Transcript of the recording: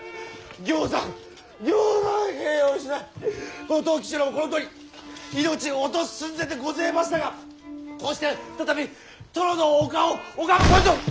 ぎょうさんぎょうさん兵を失いこの藤吉郎もこのとおり命を落とす寸前でごぜましたがこうして再び殿のお顔を拝むこと！